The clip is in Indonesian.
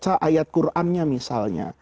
kalau kita baca ayat qurannya misalnya